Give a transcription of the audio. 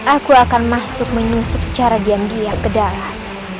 aku akan masuk menyusup secara diam diam ke dalam